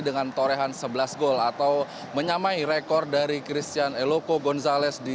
dengan torehan sebelas gol atau menyamai rekor dari christian eloko gonzalez